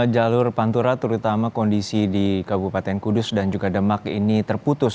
jalur pantura terutama kondisi di kabupaten kudus dan juga demak ini terputus